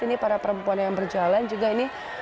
ini para perempuan yang berjalan juga ini